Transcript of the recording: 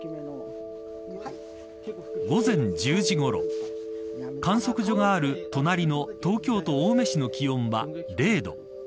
午前１０時ごろ観測所がある隣の東京都青梅市の気温は０度。